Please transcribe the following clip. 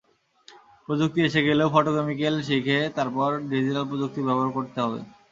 প্রযুক্তি এসে গেলেও ফটোকেমিক্যাল শিখে তারপর ডিজিটাল প্রযুক্তি ব্যবহার করতে হবে।